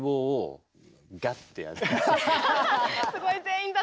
すごい全員雑！